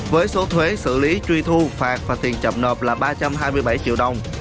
với số thuế xử lý truy thu phạt và tiền chậm nộp là ba trăm hai mươi bảy triệu đồng